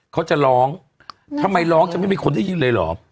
เขาจะร้องทำไมร้องจะไม่มีคนได้ยินเลยเหรอ